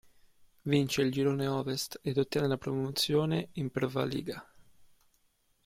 Vince il girone Ovest ed ottiene la promozione in Prva liga.